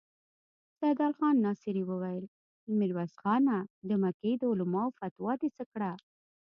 سيدال خان ناصري وويل: ميرويس خانه! د مکې د علماوو فتوا دې څه کړه؟